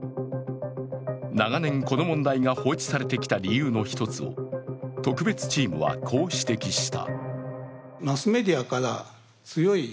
長年この問題が放置されてきた理由の１つを特別チームはこう指摘した。